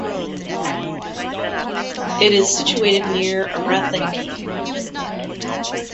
It is situated near Aranthangi.